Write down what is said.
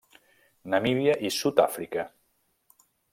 Namíbia i Sud-àfrica.